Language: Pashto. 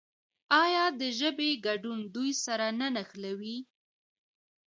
آیا د ژبې ګډون دوی سره نه نښلوي؟